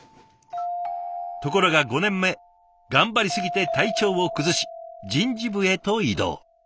ところが５年目頑張りすぎて体調を崩し人事部へと異動。